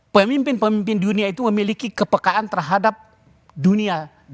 pemimpin pemimpin dunia itu memiliki kepekaan terhadap dunia